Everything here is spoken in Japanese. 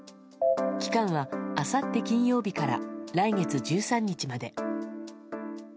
期間は、あさって金曜日から来月１３日まで。